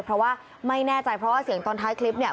เพราะว่าไม่แน่ใจเพราะว่าเสียงตอนท้ายคลิปเนี่ย